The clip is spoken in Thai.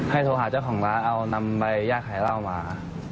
ให้โทรหาเจ้าของร้านเอานำใบยากไข่ร่าวมา